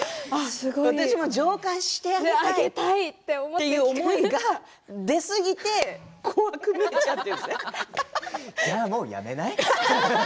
私も浄化してあげたいという思いが出すぎてじゃあ、もうやめない？